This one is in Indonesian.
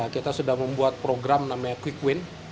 kita sudah membuat program namanya quick win